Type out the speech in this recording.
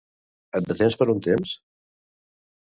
Et detens per un temps?